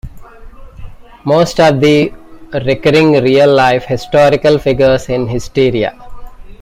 Most of the recurring real-life historical figures in Histeria!